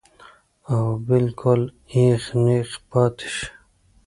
او بالکل اېغ نېغ پاتې شي -